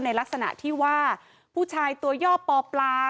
ในลักษณะที่ว่าผู้ชายตัวย่อปอปลา